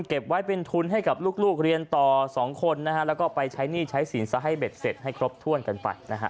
เก็บไว้เป็นทุนให้กับลูกเรียนต่อสองคนนะฮะแล้วก็ไปใช้หนี้ใช้สินซะให้เบ็ดเสร็จให้ครบถ้วนกันไปนะฮะ